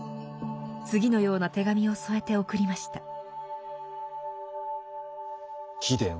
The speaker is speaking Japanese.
次のような手紙を添えて送りました。